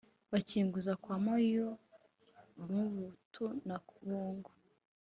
bakinguza kwa moyi mobutu na bongo